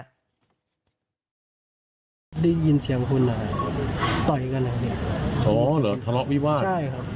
ถลอกยี่าวาดใช่ครับตรงกันกุ้งฟรีอะไรอย่างเงี้ย